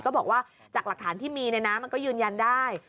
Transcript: บอกว่าจากหลักฐานที่มีเนี่ยนะมันก็ยืนยันได้